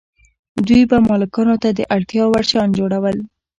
دوی به مالکانو ته د اړتیا وړ شیان جوړول.